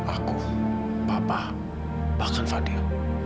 aku papa bahkan fadil